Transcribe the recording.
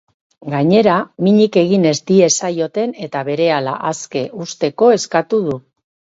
Gainera, minik egin ez diezaioten eta berehala aske uzteko eskatu du.